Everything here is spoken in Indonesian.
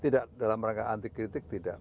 tidak dalam rangka anti kritik tidak